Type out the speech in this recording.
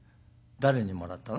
誰にもらったの？」。